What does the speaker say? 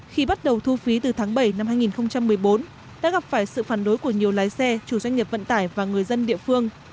khi bắt đầu thu phí từ tháng bảy năm hai nghìn một mươi bốn đã gặp phải sự phản đối của nhiều lái xe chủ doanh nghiệp vận tải và người dân địa phương